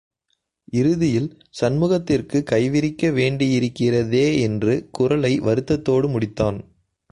இறுதியில் சண்முகத்திற்கு கைவிரிக்க வேண்டியிருக்கிறதே என்று குரலை வருத்தத்தோடு முடித்தாள்.